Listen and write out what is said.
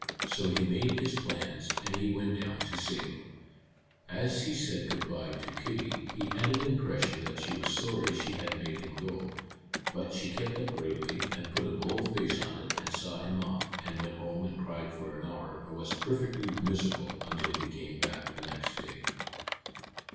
So he made his plans and he went down to Salem. As he said good by to Kitty he had an impression that she was sorry she had made him go; but she kept up bravely, and put a bold face on it, and saw him off, and went home and cried for an hour, and was perfectly miserable until he came back the next day."